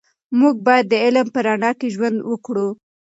موږ باید د علم په رڼا کې ژوند وکړو.